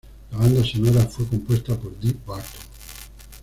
La banda sonora fue compuesta por Dee Barton.